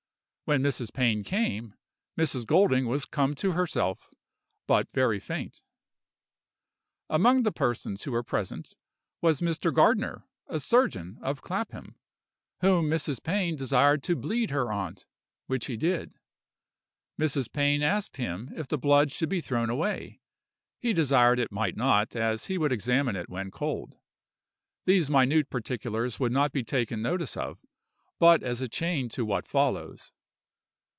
When Mrs. Pain came, Mrs. Golding was come to herself, but very faint. "Among the persons who were present was Mr. Gardner, a surgeon, of Clapham, whom Mrs. Pain desired to bleed her aunt, which he did. Mrs. Pain asked him if the blood should be thrown away: he desired it might not, as he would examine it when cold. These minute particulars would not be taken notice of, but as a chain to what follows.